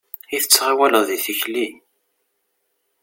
I tettɣawaleḍ deg tikli!